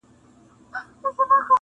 • زنګوله که نه وي ټوله کار ورانېږي -